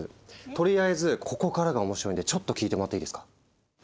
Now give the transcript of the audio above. とりあえずここからが面白いんでちょっと聞いてもらっていいですか。